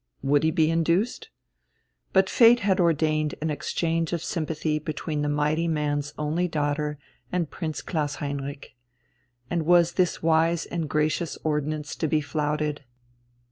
Would he be induced? But fate had ordained an exchange of sympathy between the mighty man's only daughter and Prince Klaus Heinrich. And was this wise and gracious ordinance to be flouted?